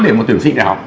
để một tuyển sĩ đại học